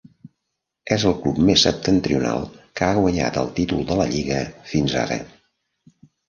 És el club més septentrional que ha guanyat el títol de la Lliga fins ara.